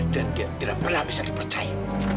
dan dia tidak pernah bisa dipercaya